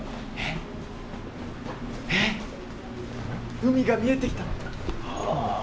海が見えてきた！